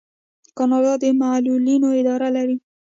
کاناډا د معلولینو اداره لري.